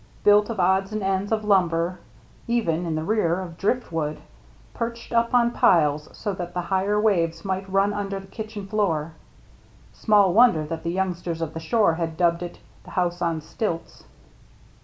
Built of odds and ends of lumber, even, in the rear, of drift wood, perched up on piles so that the higher waves might run up under the kitchen floor, small wonder that the youngsters of the shore had dubbed it " the house on stilts."